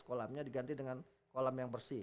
kolamnya diganti dengan kolam yang bersih